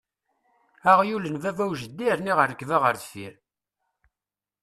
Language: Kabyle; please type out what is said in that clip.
Aɣyul n baba u jeddi rniɣ rrekba ɣer deffier!